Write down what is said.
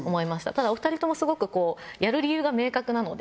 ただお二人ともすごくやる理由が明確なので。